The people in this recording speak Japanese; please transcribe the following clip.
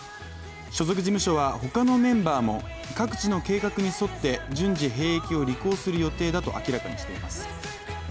所属事務所は他のメンバーも各自の計画に沿って順次兵役を履行する予定だと明らかにしています。